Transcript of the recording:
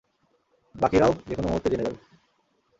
বাকিরাও যেকোনো মুহূর্তে জেনে যাবে।